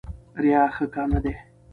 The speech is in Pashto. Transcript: ریا ښه کار نه دی.